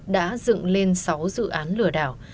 đã dựng lên sáu dự án lửa đảo